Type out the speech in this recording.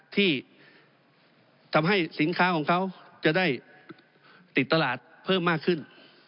ที่ทำให้สินค้าของเขาจะได้ติดตลาดเพิ่มมากขึ้น